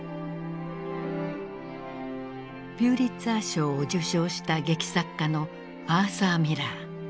ピューリッツァー賞を受賞した劇作家のアーサー・ミラー。